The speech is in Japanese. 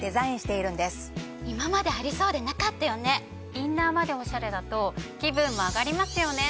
インナーまでオシャレだと気分も上がりますよね。